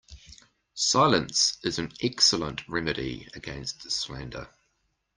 Silence is an excellent remedy against slander.